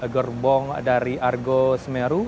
gerbong dari argo semeru